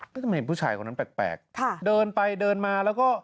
ไม่ที่จะเห็นผู้ชายคนนั้นแปลกแปลกค่ะเดินไปเดินมาแล้วก็